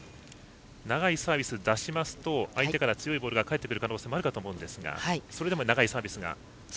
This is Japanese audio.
長いサービスを出しますと相手から強いボールが返ってくる可能性があるかと思いますがそれでも長いサービスが。